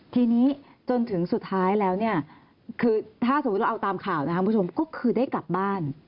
ทีนี้จนถึงสุดท้ายแล้วเนี่ยคือถ้าสมมุติเราเอาตามข่าวนะครับคุณผู้ชมก็คือได้กลับบ้าน